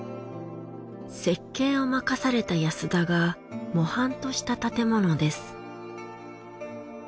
設計を任された安田が模範とした建物です。